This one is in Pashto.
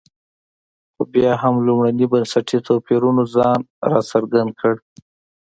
خو بیا هم لومړني بنسټي توپیرونو ځان راڅرګند کړ.